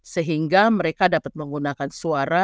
sehingga mereka dapat menggunakan suara